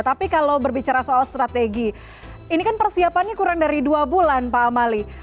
tapi kalau berbicara soal strategi ini kan persiapannya kurang dari dua bulan pak amali